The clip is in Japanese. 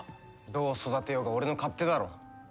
どう育てようが俺の勝手だろ。